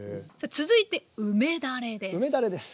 続いて梅だれです。